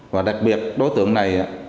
và đặc biệt đối tượng này